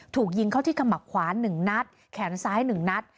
ถูกยิงเข้าที่ขมับขวา๑นัดแขนซ้าย๑นัด